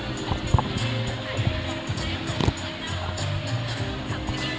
ตอนนี้เราไม่ยากติดตาม